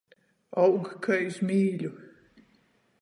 Aug kai iz mīļu.